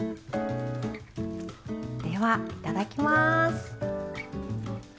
では、いただきます。